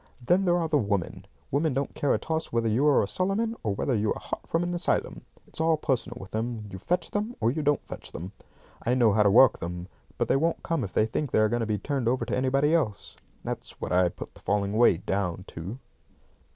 Then there are the women. Women don't care a toss whether you are a Solomon, or whether you are hot from an asylum. It's all personal with them. You fetch them, or you don't fetch them. I know how to work them, but they won't come if they think they are going to be turned over to anybody else. That's what I put the falling away down to."